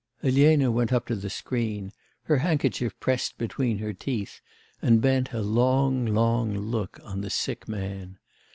Elena went up to the screen, her handkerchief pressed between her teeth, and bent a long, long look on the sick man.